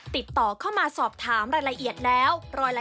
ติดต่อเข้ามาสอบถามรายละเอียดแล้ว